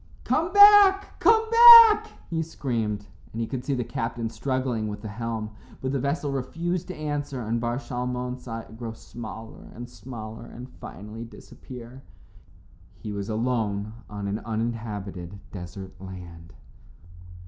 "Come back, come back," he screamed, and he could see the captain struggling with the helm. But the vessel refused to answer, and Bar Shalmon saw it grow smaller and smaller and finally disappear. He was alone on an uninhabited desert land.